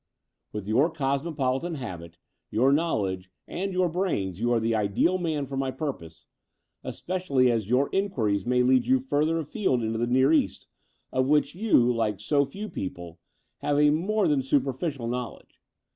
With your cosmopolitan habit, your knowledge, and your brains, you are the ideal man for my purpose, especially as your inquiries may lead you further afield into the Near East, of which you, like so few people, have a more than superficial knowledge.